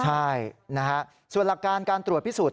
ใช่นะฮะส่วนหลักการการตรวจพิสูจน